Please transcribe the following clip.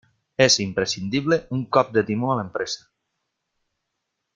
És imprescindible un cop de timó a l'empresa.